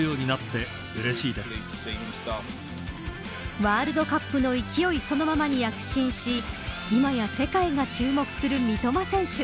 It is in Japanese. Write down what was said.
ワールドカップの勢いそのままに躍進し今や世界が注目する三笘選手。